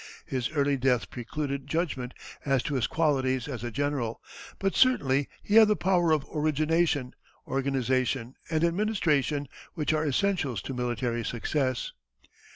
His early death precluded judgment as to his qualities as a general, but certainly he had the power of origination, organization, and administration which are essentials to military success.